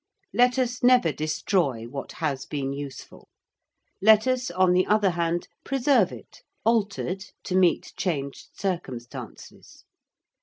Let us never destroy what has been useful: let us, on the other hand, preserve it, altered to meet changed circumstances.